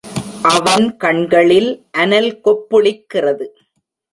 அவன் கண்களில் அனல் கொப்புளிக்கிறது.